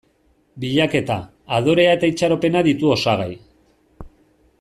Bilaketa, adorea eta itxaropena ditu osagai.